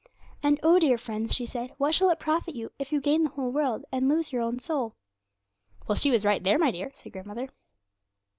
"And oh, dear friends," she said, "what shall it profit you, if you gain the whole world, and lose your own soul?"' 'Well, she was right there, my dear,' said grandmother.